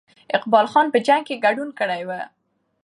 اقبال خان په جنګ کې ګډون کړی وو.